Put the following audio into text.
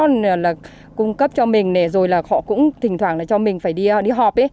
bây giờ là cung cấp cho mình rồi là họ cũng thỉnh thoảng là cho mình phải đi họp ý